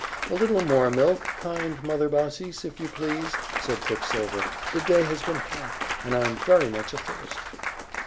"A little more milk, kind Mother Baucis, if you please," said Quicksilver. "The day has been hot, and I am very much athirst."